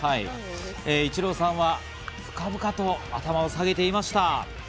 イチローさんは深々と頭を下げていました。